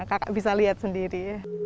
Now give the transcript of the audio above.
kakak bisa lihat sendiri